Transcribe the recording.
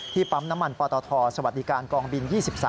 ปั๊มน้ำมันปตทสวัสดิการกองบิน๒๓